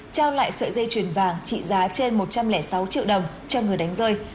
trao lại sợi dây chuyền vàng trị giá trên một trăm linh sáu triệu đồng cho người đánh rơi